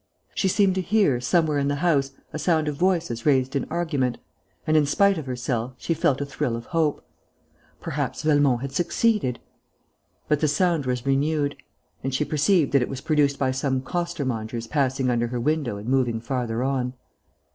She seemed to hear, somewhere in the house, a sound of voices raised in argument; and, in spite of herself, she felt a thrill of hope. Perhaps Velmont has succeeded.... But the sound was renewed; and she perceived that it was produced by some costermongers passing under her window and moving farther on.